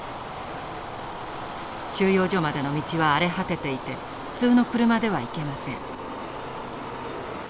収容所までの道は荒れ果てていて普通の車では行けません。